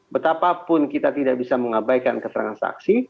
betapapun kita tidak bisa mengabaikan keterangan saksi